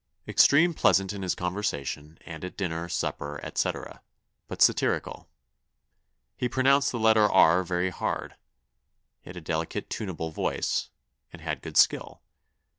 Extreme pleasant in his conversation, and at dinner, supper, etc., but satyricall. He pronounced the letter r very hard. He had a delicate tuneable voice, and had good skill.